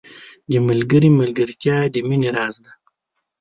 • د ملګري ملګرتیا د مینې راز دی.